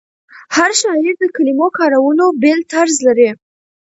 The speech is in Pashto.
هر شاعر د کلمو کارولو بېل طرز لري.